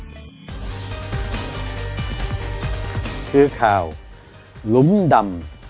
คือข่าวหลุมดำ